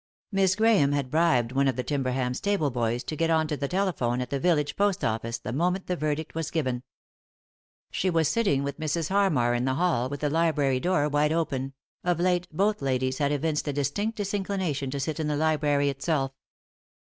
Miss Grahame had bribed one of the Timberham stable boys to get on to the telephone at the village post office the moment the verdict was given. She was sitting with Mrs. Harmar in the hall, with the library door wide open ; of late both ladies had evinced a distinct disinclination to sit in the library itself.